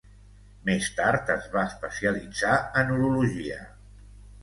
Més tard es va especialitzar en urologia.